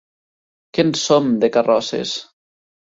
Que en som, de carrosses!